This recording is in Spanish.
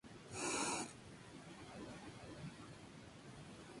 Su explicación de esto parece ser que la niña simplemente no deseaba morir.